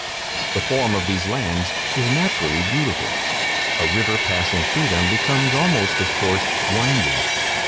The form of these lands is naturally beautiful. A river passing through them becomes almost, of course, winding.